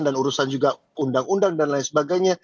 dan urusan juga undang undang dan lain sebagainya